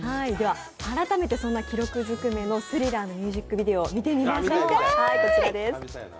改めてそんな記録尽くめの「Ｔｈｒｉｌｌｅｒ」のミュージックビデオを見てみましょう。